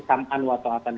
sam'an wa ta'atan